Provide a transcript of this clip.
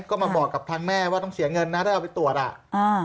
ก็มาบอกกับทางแม่ว่าต้องเสียเงินนะถ้าเอาไปตรวจอ่ะอ่า